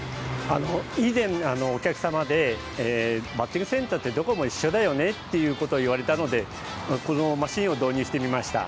以前、お客様でバッティングセンターってどこも一緒だよねと言われたので、このマシンを導入してみました。